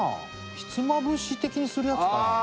ひつまぶし的にするやつかな？